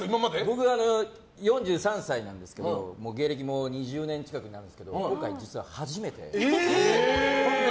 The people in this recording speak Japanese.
僕、４３歳なんですけど芸歴も２０年近くになるんですが今回、実は初めて。